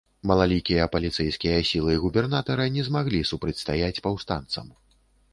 Малалікія паліцэйскія сілы губернатара не змаглі супрацьстаяць паўстанцам.